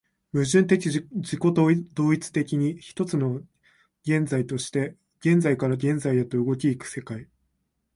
矛盾的自己同一的に、一つの現在として現在から現在へと動き行く世界